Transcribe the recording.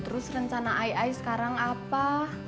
terus rencana ai sekarang apa